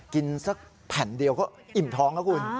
กินสักแผ่นเดียวก็อิ่มท้องนะคุณ